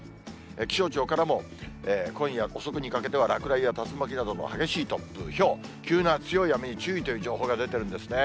気象庁からも今夜遅くにかけては、落雷や竜巻などの激しい突風、ひょう、急な強い雨に注意という情報が出てるんですね。